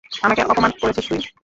আমাকে অপমান করেছিস তুই?